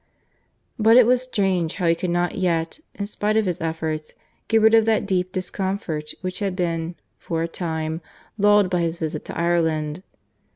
But it was strange how he could not yet, in spite of his efforts, get rid of that deep discomfort which had been, for a time, lulled by his visit to Ireland.